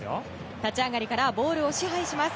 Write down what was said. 立ち上がりからボールを支配します。